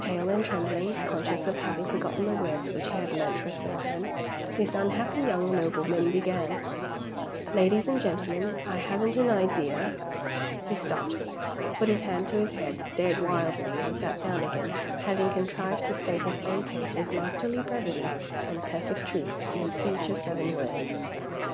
Pale and trembling, conscious of having forgotten the words which he had learnt beforehand, this unhappy young nobleman began: "Ladies and gentlemen, I haven't an idea " He stopped, put his hand to his head, stared wildly, and sat down again; having contrived to state his own case with masterly brevity and perfect truth, in a speech of seven words.